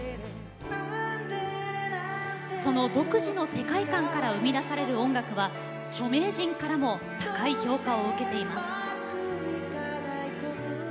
その独自の世界観から生み出される音楽は著名人からも高い評価を受けています。